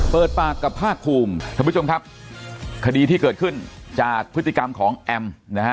เปิดปากกับผ้าคลุมท็อวุดงครับคดีที่เกิดขึ้นจากพฤติกรรมของแอ้มนะคดีหลักถูก